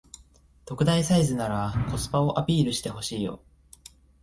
特大サイズならコスパをアピールしてほしいよ